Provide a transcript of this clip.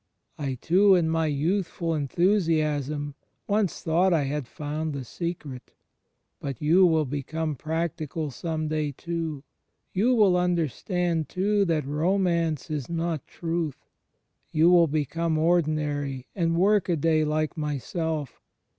I too, in my youthful enthusiasm, once thought I had foimd the secret. ... But you will become practical, some day, too. You will xmderstand, too, that romance is not truth. You will become ordinary and workaday like myself.